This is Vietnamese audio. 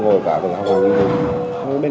đều là trẻ và thành viên